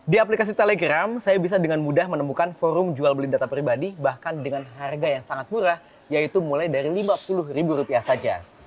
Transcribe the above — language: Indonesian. di aplikasi telegram saya bisa dengan mudah menemukan forum jual beli data pribadi bahkan dengan harga yang sangat murah yaitu mulai dari lima puluh ribu rupiah saja